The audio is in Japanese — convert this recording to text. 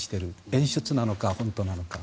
演出なのか本当なのか。